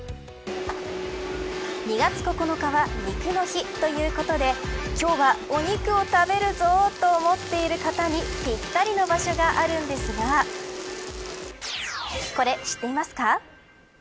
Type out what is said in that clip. ２月９日はニクの日ということで今日はお肉を食べるぞと思っている方にぴったりの場所があるのですがこれ、知っていますか。